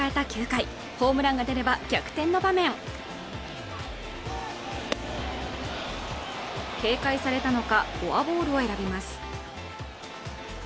９回ホームランが出れば逆転の場面警戒されたのかフォアボールを選びます